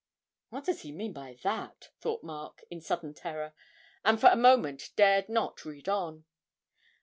('What does he mean by that?' thought Mark, in sudden terror, and for a moment dared not read on.)